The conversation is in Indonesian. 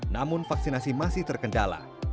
namun vaksinasi masih terkendala